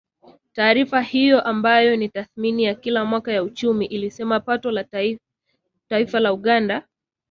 taarifa hiyo ambayo ni tathmini ya kila mwaka ya uchumi ilisema pato la taifa la Uganda